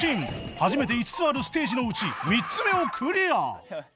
初めて５つあるステージのうち３つ目をクリア